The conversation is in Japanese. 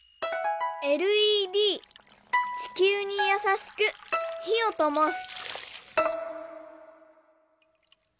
「ＬＥＤ地球にやさしくひをともす」。